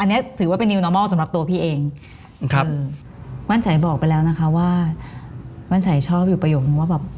อันนี้ถือว่าเป็นนิวนอร์มอลสำหรับตัวพี่เองครับมั่นฉัยบอกไปแล้วนะคะว่ามั่นฉัยชอบอยู่ประโยคนึงว่าแบบ